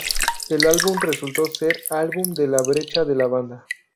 El álbum resultó ser álbum de la brecha de la banda.